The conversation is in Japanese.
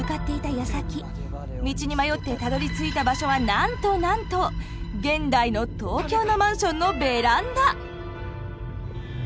やさき道に迷ってたどりついた場所はなんとなんと現代の東京のマンションのベランダ。